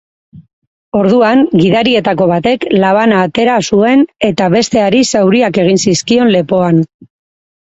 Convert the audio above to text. Orduan, gidarietako batek labana atera zuen eta besteari zauriak egin zizkion lepoan.